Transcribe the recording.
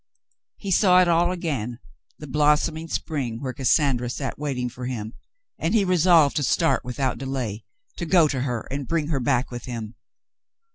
He saw it all again, the blossoming spring where Cas sandra sat waiting for him, and he resolved to start with out delay — to go to her and bring her back with him.